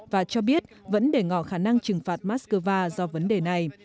và cho biết vẫn để ngỏ khả năng trừng phạt moscow do vấn đề này